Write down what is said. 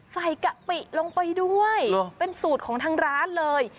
กะปิลงไปด้วยเป็นสูตรของทางร้านเลย